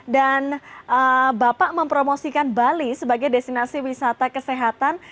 dan bapak mempromosikan bali sebagai destinasi wisata kesehatan